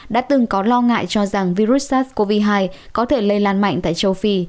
đã từng có lo ngại cho rằng virus sars cov hai có thể lây lan mạnh tại châu phi